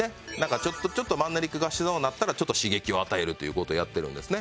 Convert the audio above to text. ちょっとちょっとマンネリ化しそうになったらちょっと刺激を与えるという事をやってるんですね。